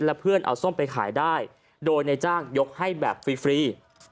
และเพื่อนเอาส้มไปขายได้โดยในจ้างยกให้แบบฟรี